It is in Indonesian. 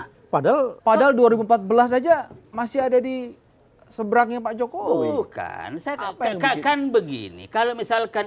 hai padahal padahal dua ribu empat belas aja masih ada di seberangnya pak jokowi kan saya kata kan begini kalau misalkan